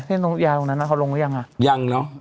เส้นตรงตรงนั้นฮะเขาลงไปหรือยังอ่ะยังเนอะ